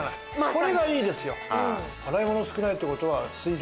これがいいですよ。